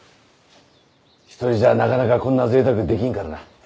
一人じゃなかなかこんな贅沢できんからな。